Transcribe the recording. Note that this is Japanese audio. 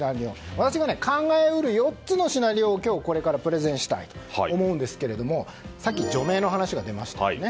私が考え得る４つのシナリオをプレゼンしたいと思うんですけれどもさっき、除名の話が出ましたよね。